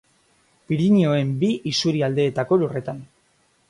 Pirinioen bi isurialdeetako lurretan.